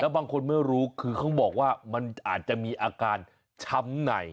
บางคนไม่รู้คือเขาบอกว่ามันอาจจะมีอาการช้ำใน